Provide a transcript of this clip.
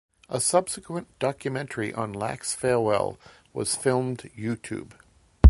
A subsequent documentary on Lach's farewell was filmed YouTube.